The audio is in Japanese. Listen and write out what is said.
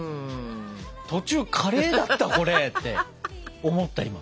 途中カレーだったこれって思った今。